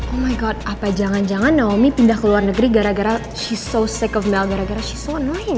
oh my god apa jangan jangan naomi pindah ke luar negeri gara gara she's so sick of mel gara gara she's so annoying